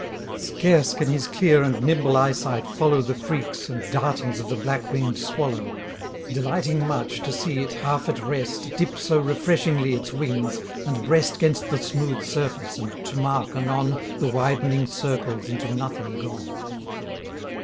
Scarce can his clear and nimble eye sight follow The freaks, and dartings of the black wing'd swallow, Delighting much, to see it half at rest, Dip so refreshingly its wings, and breast 'Gainst the smooth surface, and to mark anon, The widening circles into nothing gone.